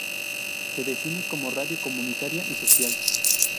Se define como "radio comunitaria y social".